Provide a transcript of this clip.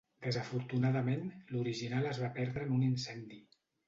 Desafortunadament l'original es va perdre en un incendi.